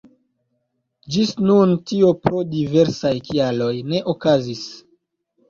Ĝis nun tio pro diversaj kialoj ne okazis.